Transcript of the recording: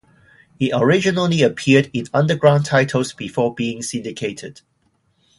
It originally appeared in underground titles before being syndicated.